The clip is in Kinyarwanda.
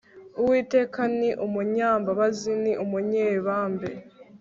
uwiteka ni umunyambabazi n umunyebambe